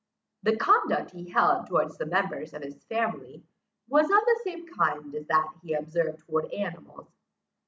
The conduct he held towards the members of his family, was of the same kind as that he observed towards animals.